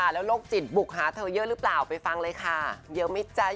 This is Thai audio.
แล้วโรคจิตบุกหาเธอเยอะหรือเปล่าไปฟังเลยค่ะเยอะไหมจ๊ะ